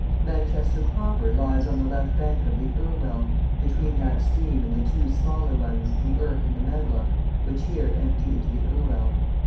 Manchester proper lies on the left bank of the Irwell, between that stream and the two smaller ones, the Irk and the Medlock, which here empty into the Irwell.